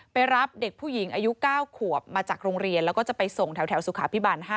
รับเด็กผู้หญิงอายุ๙ขวบมาจากโรงเรียนแล้วก็จะไปส่งแถวสุขาพิบาล๕